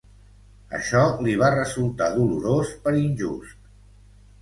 Això li va resultar dolorós, per injust.